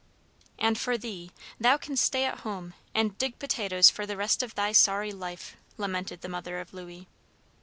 "And for thee, thou canst stay at home, and dig potatoes for the rest of thy sorry life," lamented the mother of Louis.